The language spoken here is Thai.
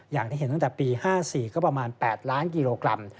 อย่างที่เห็นตั้งแต่ปี๕๔ก็ประมาณ๘ล้านกิโลกรัม